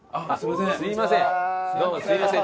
すいません。